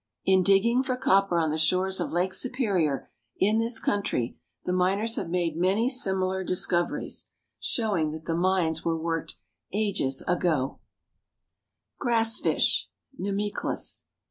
In digging for copper on the shores of Lake Superior, in this country, the miners have made many similar discoveries, showing that the mines were worked ages ago. GRASS FISH (NEMICHLHYS).